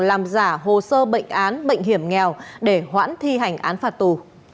làm giả hồ sơ bệnh án bệnh hiểm nghèo để hoãn thi hành án phạt tù